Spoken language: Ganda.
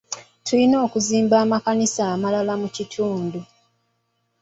Tulina okuzimba amakanisa amalala mu kitundu.